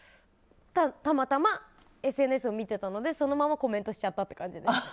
たまたまＳＮＳを見ていたのでそのままコメントしちゃったって感じです。